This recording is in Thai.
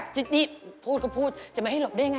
จะดิพูดก็พูดจะไม่ให้หลบได้อย่างไร